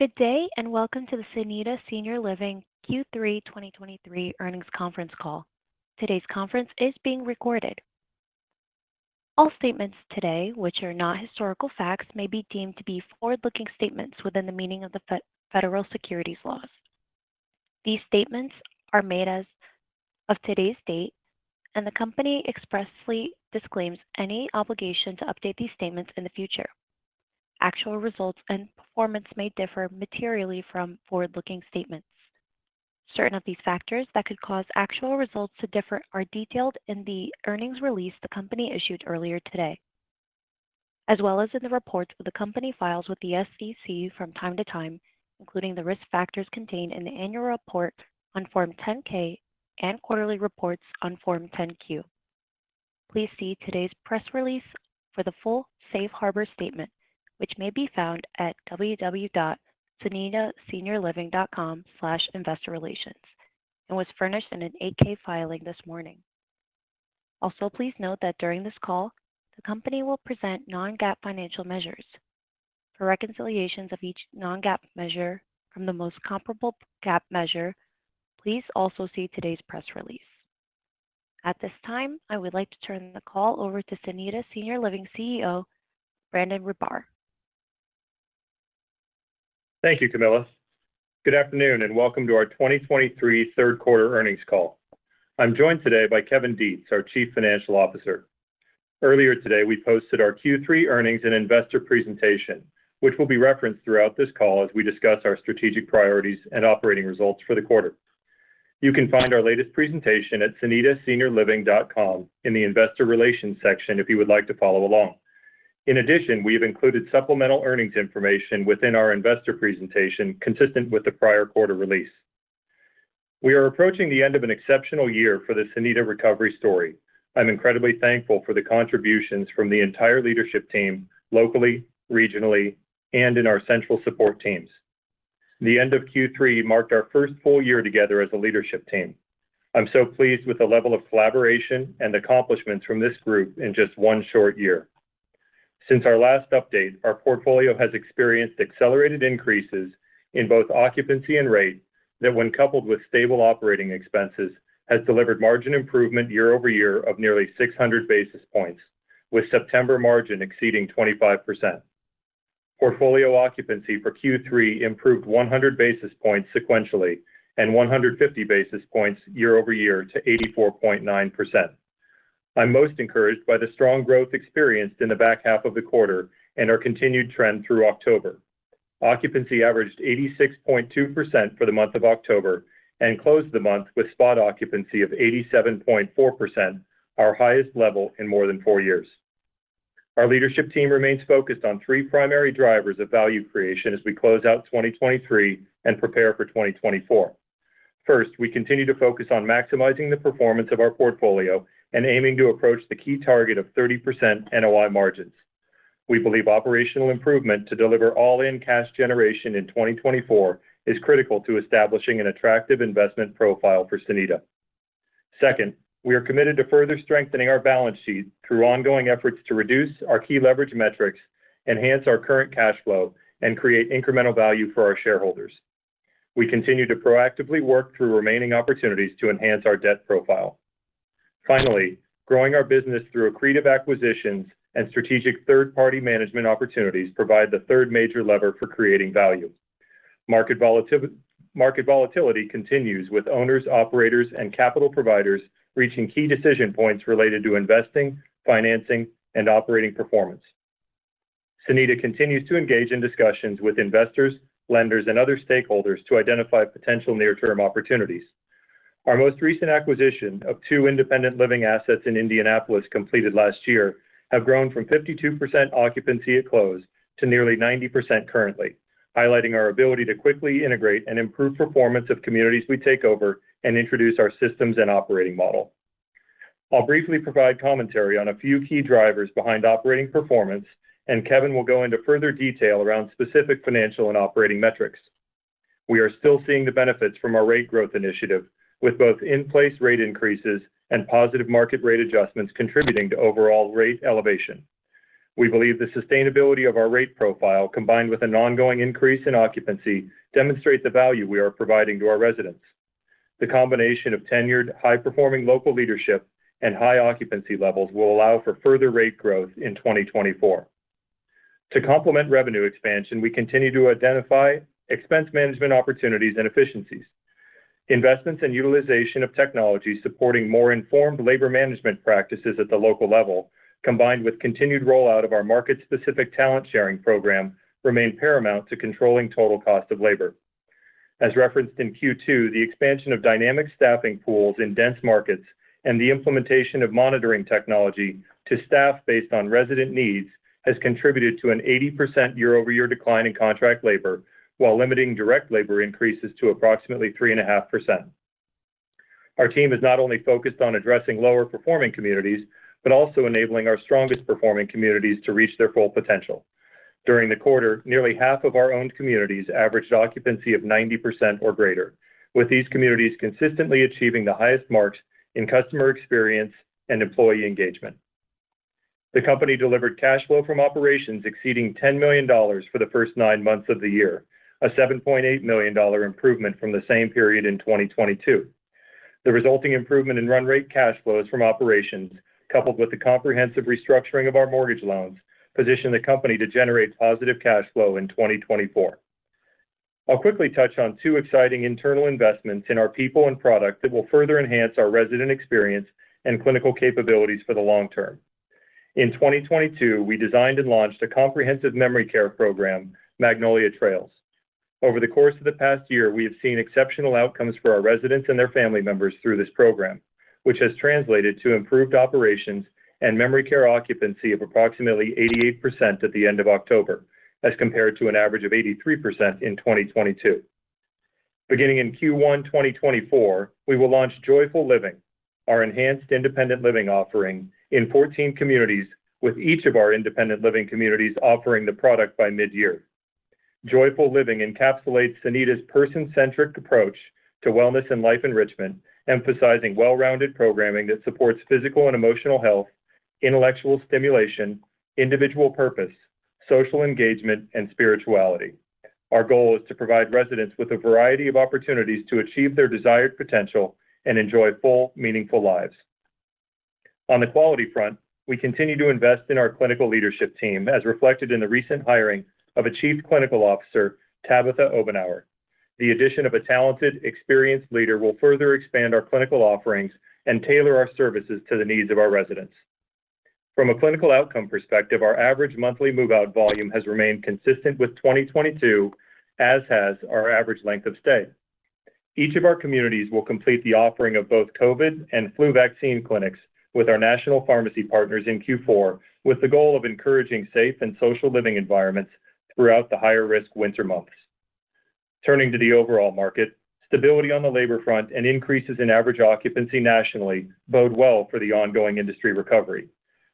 Good day, and welcome to the Sonida Senior Living Q3 2023 Earnings Conference Call. Today's conference is being recorded. All statements today, which are not historical facts, may be deemed to be forward-looking statements within the meaning of the federal securities laws. These statements are made as of today's date, and the Company expressly disclaims any obligation to update these statements in the future. Actual results and performance may differ materially from forward-looking statements. Certain of these factors that could cause actual results to differ are detailed in the earnings release the Company issued earlier today, as well as in the reports that the Company files with the SEC from time to time, including the risk factors contained in the annual report on Form 10-K and quarterly reports on Form 10-Q. Please see today's press release for the full safe harbor statement, which may be found at www.sonidaseniorliving.com/investorrelations, and was furnished in an 8-K filing this morning. Also, please note that during this call, the Company will present non-GAAP financial measures. For reconciliations of each non-GAAP measure from the most comparable GAAP measure, please also see today's press release. At this time, I would like to turn the call over to Sonida Senior Living CEO, Brandon Ribar. Thank you, Camilla. Good afternoon, and welcome to our 2023 third quarter earnings call. I'm joined today by Kevin Detz, our Chief Financial Officer. Earlier today, we posted our Q3 earnings and investor presentation, which will be referenced throughout this call as we discuss our strategic priorities and operating results for the quarter. You can find our latest presentation at sonidaseniorliving.com in the Investor Relations section, if you would like to follow along. In addition, we have included supplemental earnings information within our investor presentation, consistent with the prior quarter release. We are approaching the end of an exceptional year for the Sonida recovery story. I'm incredibly thankful for the contributions from the entire leadership team, locally, regionally, and in our central support teams. The end of Q3 marked our first full year together as a leadership team. I'm so pleased with the level of collaboration and accomplishments from this group in just one short year. Since our last update, our portfolio has experienced accelerated increases in both occupancy and rate that, when coupled with stable operating expenses, has delivered margin improvement year-over-year of nearly 600 basis points, with September margin exceeding 25%. Portfolio occupancy for Q3 improved 100 basis points sequentially and 150 basis points year-over-year to 84.9%. I'm most encouraged by the strong growth experienced in the back half of the quarter and our continued trend through October. Occupancy averaged 86.2% for the month of October and closed the month with spot occupancy of 87.4%, our highest level in more than four years. Our leadership team remains focused on three primary drivers of value creation as we close out 2023 and prepare for 2024. First, we continue to focus on maximizing the performance of our portfolio and aiming to approach the key target of 30% NOI margins. We believe operational improvement to deliver all-in cash generation in 2024 is critical to establishing an attractive investment profile for Sonida. Second, we are committed to further strengthening our balance sheet through ongoing efforts to reduce our key leverage metrics, enhance our current cash flow, and create incremental value for our shareholders. We continue to proactively work through remaining opportunities to enhance our debt profile. Finally, growing our business through accretive acquisitions and strategic third-party management opportunities provide the third major lever for creating value. Market volatility, market volatility continues, with owners, operators, and capital providers reaching key decision points related to investing, financing, and operating performance. Sonida continues to engage in discussions with investors, lenders, and other stakeholders to identify potential near-term opportunities. Our most recent acquisition of 2 independent living assets in Indianapolis, completed last year, have grown from 52% occupancy at close to nearly 90% currently, highlighting our ability to quickly integrate and improve performance of communities we take over and introduce our systems and operating model. I'll briefly provide commentary on a few key drivers behind operating performance, and Kevin will go into further detail around specific financial and operating metrics. We are still seeing the benefits from our rate growth initiative, with both in-place rate increases and positive market rate adjustments contributing to overall rate elevation. We believe the sustainability of our rate profile, combined with an ongoing increase in occupancy, demonstrates the value we are providing to our residents. The combination of tenured, high-performing local leadership and high occupancy levels will allow for further rate growth in 2024. To complement revenue expansion, we continue to identify expense management opportunities and efficiencies. Investments and utilization of technology supporting more informed labor management practices at the local level, combined with continued rollout of our market-specific talent sharing program, remain paramount to controlling total cost of labor. As referenced in Q2, the expansion of dynamic staffing pools in dense markets and the implementation of monitoring technology to staff based on resident needs, has contributed to an 80% year-over-year decline in contract labor, while limiting direct labor increases to approximately 3.5%. Our team is not only focused on addressing lower-performing communities, but also enabling our strongest-performing communities to reach their full potential. During the quarter, nearly half of our owned communities averaged occupancy of 90% or greater, with these communities consistently achieving the highest marks in customer experience and employee engagement. The company delivered cash flow from operations exceeding $10 million for the first nine months of the year, a $7.8 million improvement from the same period in 2022. The resulting improvement in run rate cash flows from operations, coupled with the comprehensive restructuring of our mortgage loans, position the company to generate positive cash flow in 2024. I'll quickly touch on two exciting internal investments in our people and product that will further enhance our resident experience and clinical capabilities for the long term. In 2022, we designed and launched a comprehensive memory care program, Magnolia Trails. Over the course of the past year, we have seen exceptional outcomes for our residents and their family members through this program, which has translated to improved operations and memory care occupancy of approximately 88% at the end of October, as compared to an average of 83% in 2022. Beginning in Q1 2024, we will launch Joyful Living, our enhanced independent living offering, in 14 communities, with each of our independent living communities offering the product by mid-year. Joyful Living encapsulates Sonida's person-centric approach to wellness and life enrichment, emphasizing well-rounded programming that supports physical and emotional health, intellectual stimulation, individual purpose, social engagement, and spirituality. Our goal is to provide residents with a variety of opportunities to achieve their desired potential and enjoy full, meaningful lives. On the quality front, we continue to invest in our clinical leadership team, as reflected in the recent hiring of a Chief Clinical Officer, Tabitha Obenour. The addition of a talented, experienced leader will further expand our clinical offerings and tailor our services to the needs of our residents. From a clinical outcome perspective, our average monthly move-out volume has remained consistent with 2022, as has our average length of stay. Each of our communities will complete the offering of both COVID and flu vaccine clinics with our national pharmacy partners in Q4, with the goal of encouraging safe and social living environments throughout the higher-risk winter months. Turning to the overall market, stability on the labor front and increases in average occupancy nationally bode well for the ongoing industry recovery.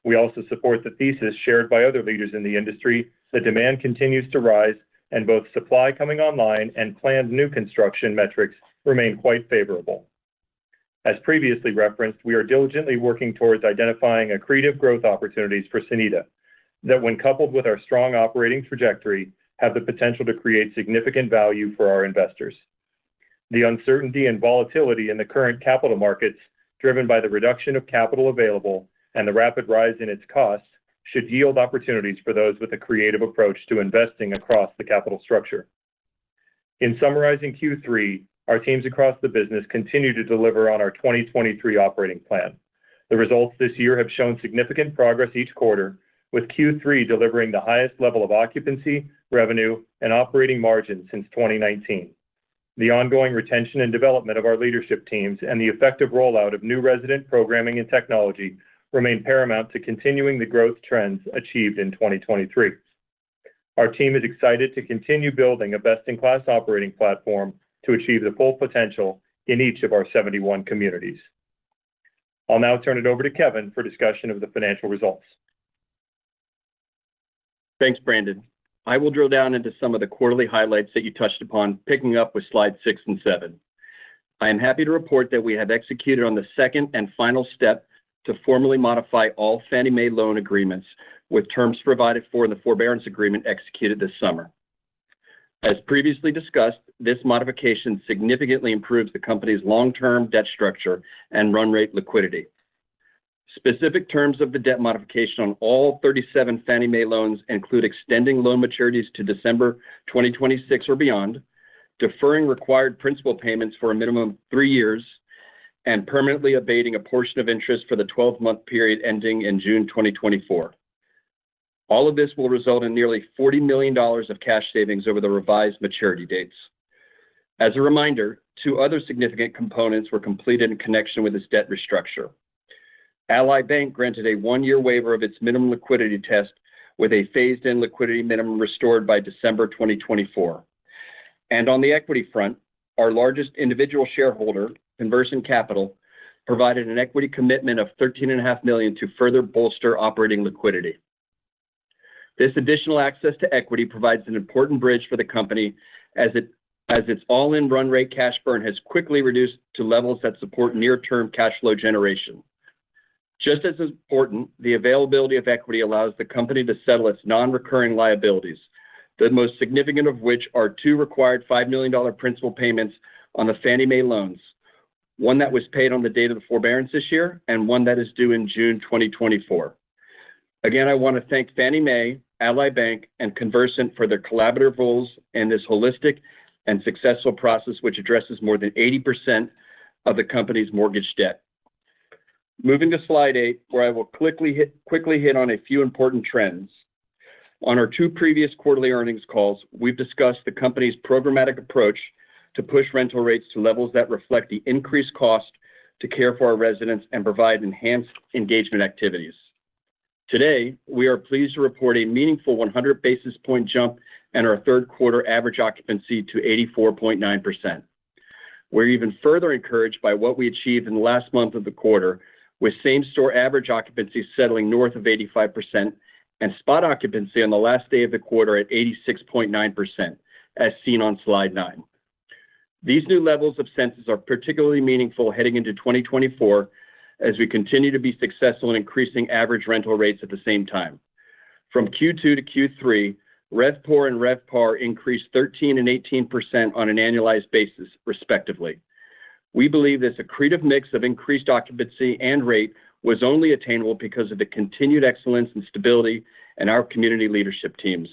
We also support the thesis shared by other leaders in the industry that demand continues to rise and both supply coming online and planned new construction metrics remain quite favorable. As previously referenced, we are diligently working towards identifying accretive growth opportunities for Sonida, that when coupled with our strong operating trajectory, have the potential to create significant value for our investors. The uncertainty and volatility in the current capital markets, driven by the reduction of capital available and the rapid rise in its costs, should yield opportunities for those with a creative approach to investing across the capital structure. In summarizing Q3, our teams across the business continue to deliver on our 2023 operating plan. The results this year have shown significant progress each quarter, with Q3 delivering the highest level of occupancy, revenue, and operating margin since 2019. The ongoing retention and development of our leadership teams and the effective rollout of new resident programming and technology remain paramount to continuing the growth trends achieved in 2023. Our team is excited to continue building a best-in-class operating platform to achieve the full potential in each of our 71 communities. I'll now turn it over to Kevin for discussion of the financial results. Thanks, Brandon. I will drill down into some of the quarterly highlights that you touched upon, picking up with slides 6 and 7. I am happy to report that we have executed on the second and final step to formally modify all Fannie Mae loan agreements with terms provided for in the forbearance agreement executed this summer. As previously discussed, this modification significantly improves the company's long-term debt structure and run rate liquidity. Specific terms of the debt modification on all 37 Fannie Mae loans include extending loan maturities to December 2026 or beyond, deferring required principal payments for a minimum of 3 years, and permanently abating a portion of interest for the 12-month period ending in June 2024. All of this will result in nearly $40 million of cash savings over the revised maturity dates. As a reminder, 2 other significant components were completed in connection with this debt restructure. Ally Bank granted a 1-year waiver of its minimum liquidity test with a phased-in liquidity minimum restored by December 2024. On the equity front, our largest individual shareholder, Conversant Capital, provided an equity commitment of $13.5 million to further bolster operating liquidity. This additional access to equity provides an important bridge for the company as its all-in run rate cash burn has quickly reduced to levels that support near-term cash flow generation. Just as important, the availability of equity allows the company to settle its non-recurring liabilities, the most significant of which are 2 required $5 million principal payments on the Fannie Mae loans, one that was paid on the date of the forbearance this year and one that is due in June 2024. Again, I want to thank Fannie Mae, Ally Bank, and Conversant for their collaborative roles in this holistic and successful process, which addresses more than 80% of the company's mortgage debt. Moving to slide 8, where I will quickly hit on a few important trends. On our two previous quarterly earnings calls, we've discussed the company's programmatic approach to push rental rates to levels that reflect the increased cost to care for our residents and provide enhanced engagement activities. Today, we are pleased to report a meaningful 100 basis point jump in our third quarter average occupancy to 84.9%. We're even further encouraged by what we achieved in the last month of the quarter, with same-store average occupancy settling north of 85% and spot occupancy on the last day of the quarter at 86.9%, as seen on slide 9. These new levels of census are particularly meaningful heading into 2024, as we continue to be successful in increasing average rental rates at the same time. From Q2 to Q3, RevPOR and RevPAR increased 13% and 18% on an annualized basis, respectively. We believe this accretive mix of increased occupancy and rate was only attainable because of the continued excellence and stability in our community leadership teams.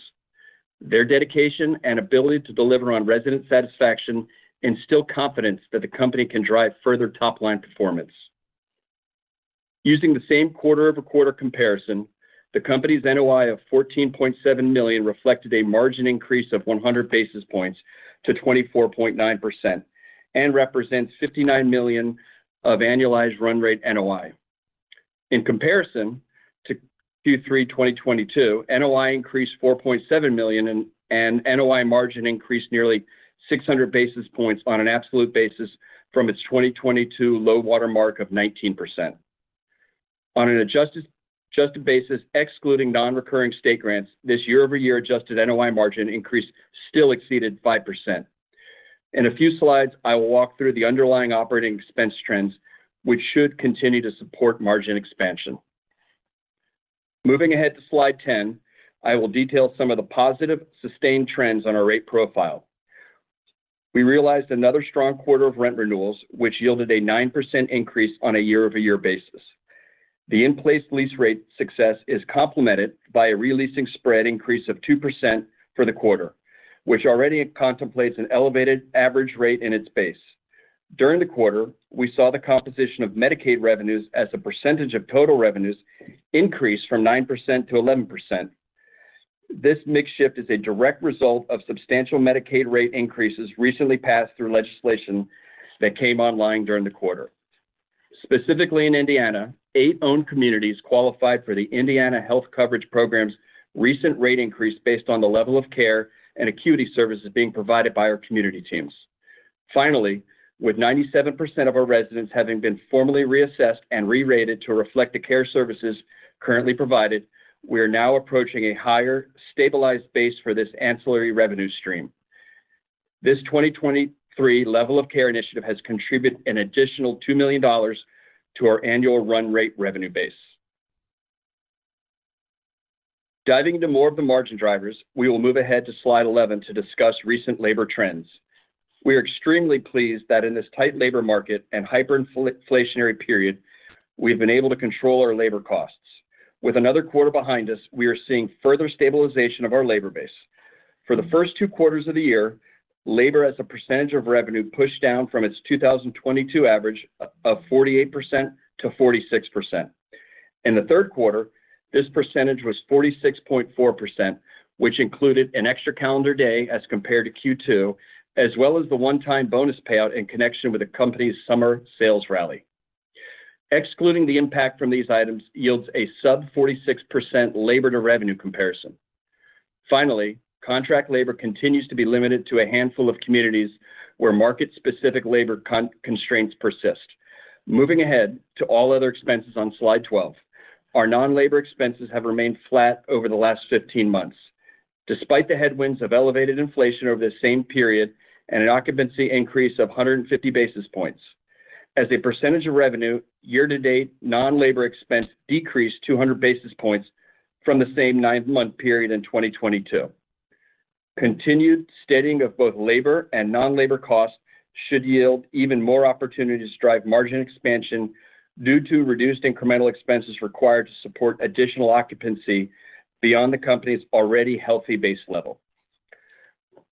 Their dedication and ability to deliver on resident satisfaction instill confidence that the company can drive further top-line performance. Using the same quarter-over-quarter comparison, the company's NOI of $14.7 million reflected a margin increase of 100 basis points to 24.9% and represents $59 million of annualized run rate NOI. In comparison to Q3 2022, NOI increased $4.7 million, and NOI margin increased nearly 600 basis points on an absolute basis from its 2022 low-water mark of 19%. On an adjusted basis, excluding non-recurring state grants, this year-over-year adjusted NOI margin increase still exceeded 5%. In a few slides, I will walk through the underlying operating expense trends, which should continue to support margin expansion. Moving ahead to slide 10, I will detail some of the positive, sustained trends on our rate profile. We realized another strong quarter of rent renewals, which yielded a 9% increase on a year-over-year basis. The in-place lease rate success is complemented by a re-leasing spread increase of 2% for the quarter, which already contemplates an elevated average rate in its base. During the quarter, we saw the composition of Medicaid revenues as a percentage of total revenues increase from 9% to 11%. This mix shift is a direct result of substantial Medicaid rate increases recently passed through legislation that came online during the quarter. Specifically, in Indiana, 8 owned communities qualified for the Indiana Health Coverage Program's recent rate increase based on the level of care and acuity services being provided by our community teams. Finally, with 97% of our residents having been formally reassessed and re-rated to reflect the care services currently provided, we are now approaching a higher, stabilized base for this ancillary revenue stream. This 2023 level of care initiative has contributed an additional $2 million to our annual run rate revenue base. Diving into more of the margin drivers, we will move ahead to slide 11 to discuss recent labor trends. We are extremely pleased that in this tight labor market and hyperinflationary period, we've been able to control our labor costs. With another quarter behind us, we are seeing further stabilization of our labor base. For the first two quarters of the year, labor as a percentage of revenue, pushed down from its 2022 average of 48% to 46%. In the third quarter, this percentage was 46.4%, which included an extra calendar day as compared to Q2, as well as the one-time bonus payout in connection with the company's summer sales rally. Excluding the impact from these items yields a sub-46% labor-to-revenue comparison. Finally, contract labor continues to be limited to a handful of communities where market-specific labor constraints persist. Moving ahead to all other expenses on Slide 12. Our non-labor expenses have remained flat over the last 15 months, despite the headwinds of elevated inflation over the same period and an occupancy increase of 150 basis points. As a percentage of revenue, year-to-date non-labor expense decreased 200 basis points from the same 9-month period in 2022. Continued steadying of both labor and non-labor costs should yield even more opportunities to drive margin expansion due to reduced incremental expenses required to support additional occupancy beyond the company's already healthy base level.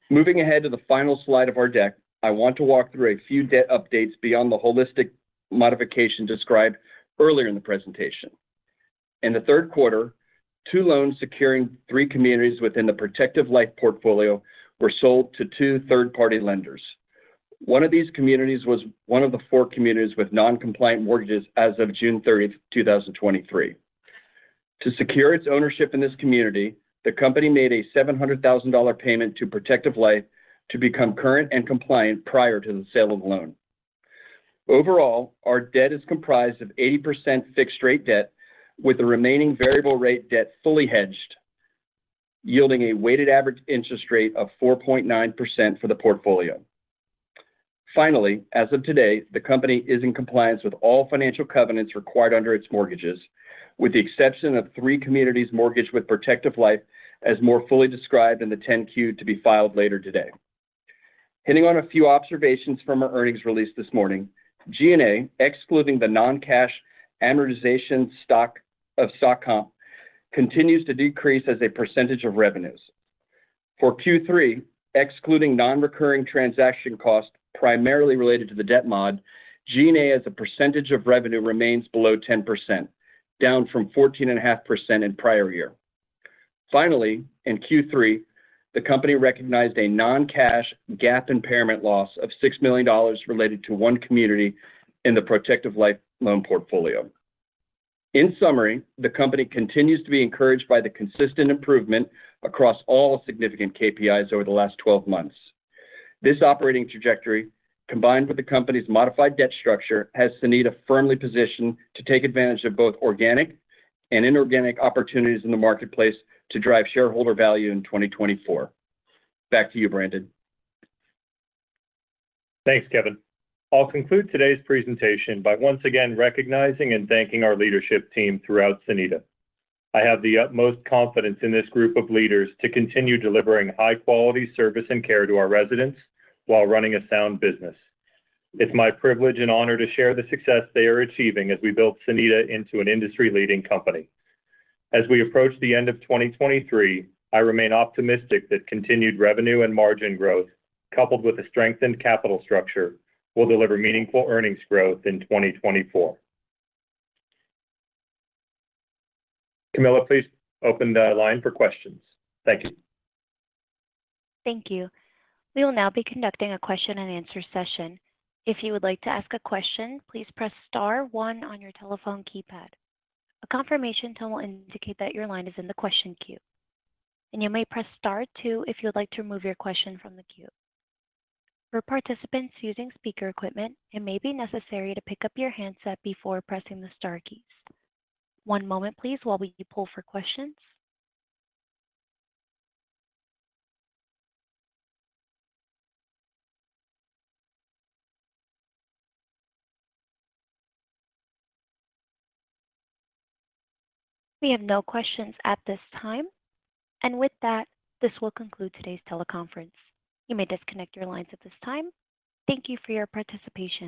Moving ahead to the final slide of our deck, I want to walk through a few debt updates beyond the holistic modification described earlier in the presentation. In the third quarter, two loans securing three communities within the Protective Life portfolio were sold to two third-party lenders. One of these communities was one of the four communities with non-compliant mortgages as of June 30th, 2023. To secure its ownership in this community, the company made a $700,000 payment to Protective Life to become current and compliant prior to the sale of the loan. Overall, our debt is comprised of 80% fixed-rate debt, with the remaining variable rate debt fully hedged, yielding a weighted average interest rate of 4.9% for the portfolio. Finally, as of today, the company is in compliance with all financial covenants required under its mortgages, with the exception of three communities mortgaged with Protective Life, as more fully described in the 10-Q to be filed later today. Hitting on a few observations from our earnings release this morning, G&A, excluding the non-cash amortization of stock comp, continues to decrease as a percentage of revenues. For Q3, excluding non-recurring transaction costs, primarily related to the debt mod, G&A, as a percentage of revenue, remains below 10%, down from 14.5% in prior year. Finally, in Q3, the company recognized a non-cash GAAP impairment loss of $6 million related to one community in the Protective Life loan portfolio. In summary, the company continues to be encouraged by the consistent improvement across all significant KPIs over the last 12 months. This operating trajectory, combined with the company's modified debt structure, has Sonida firmly positioned to take advantage of both organic and inorganic opportunities in the marketplace to drive shareholder value in 2024. Back to you, Brandon. Thanks, Kevin. I'll conclude today's presentation by once again recognizing and thanking our leadership team throughout Sonida. I have the utmost confidence in this group of leaders to continue delivering high-quality service and care to our residents while running a sound business. It's my privilege and honor to share the success they are achieving as we build Sonida into an industry-leading company. As we approach the end of 2023, I remain optimistic that continued revenue and margin growth, coupled with a strengthened capital structure, will deliver meaningful earnings growth in 2024. Camilla, please open the line for questions. Thank you. Thank you. We will now be conducting a question-and-answer session. If you would like to ask a question, please press star one on your telephone keypad. A confirmation tone will indicate that your line is in the question queue, and you may press star two if you would like to remove your question from the queue. For participants using speaker equipment, it may be necessary to pick up your handset before pressing the star keys. One moment please, while we pull for questions. We have no questions at this time. With that, this will conclude today's teleconference. You may disconnect your lines at this time. Thank you for your participation.